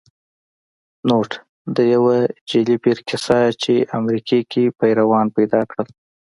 نوټ: د یو جعلې پیر کیسه چې امریکې کې پیروان پیدا کړل